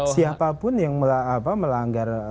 siapapun yang melanggar